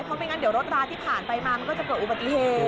เพราะไม่งั้นเดี๋ยวรถราที่ผ่านไปมามันก็จะเกิดอุบัติเหตุ